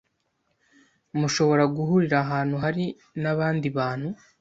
Mushobora guhurira ahantu hari n abandi bantu